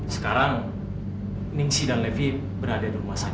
sekarang ningsi dan levi berada di rumah sakit